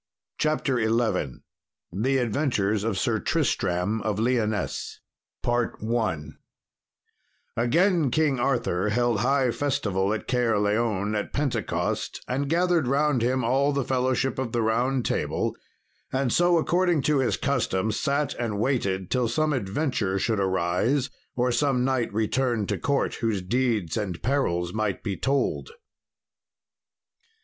CHAPTER XI The Adventures of Sir Tristram of Lyonesse Again King Arthur held high festival at Caerleon, at Pentecost, and gathered round him all the fellowship of the Round Table, and so, according to his custom, sat and waited till some adventure should arise, or some knight return to court whose deeds and perils might be told.